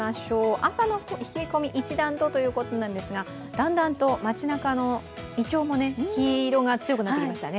朝の冷え込み一段とということなんですが、だんだんと街なかのいちょうも黄色が強くなってきましたね。